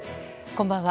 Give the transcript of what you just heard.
こんばんは。